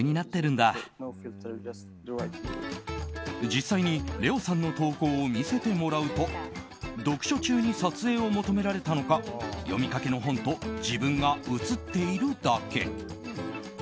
実際にレオさんの投稿を見せてもらうと読書中に撮影を求められたのか読みかけの本と自分が写っているだけ。